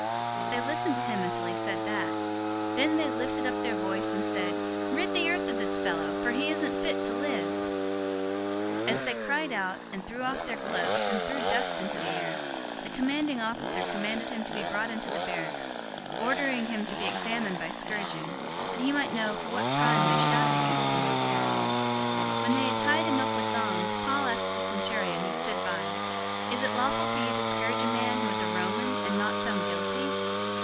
'" 022:022 They listened to him until he said that; then they lifted up their voice, and said, "Rid the earth of this fellow, for he isn't fit to live!" 022:023 As they cried out, and threw off their cloaks, and threw dust into the air, 022:024 the commanding officer commanded him to be brought into the barracks, ordering him to be examined by scourging, that he might know for what crime they shouted against him like that. 022:025 When they had tied him up with thongs, Paul asked the centurion who stood by, "Is it lawful for you to scourge a man who is a Roman, and not found guilty?"